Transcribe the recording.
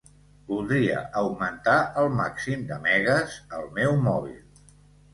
Voldria augmentar el màxim de megues al meu mòbil.